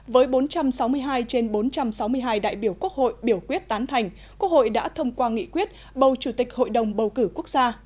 với bốn trăm sáu mươi hai trên bốn trăm sáu mươi hai đại biểu quốc hội biểu quyết tán thành quốc hội đã thông qua nghị quyết bầu chủ tịch hội đồng bầu cử quốc gia